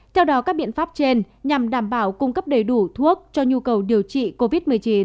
theo đó các biện pháp trên nhằm đảm bảo cung cấp đầy đủ thuốc cho nhu cầu điều trị covid một mươi chín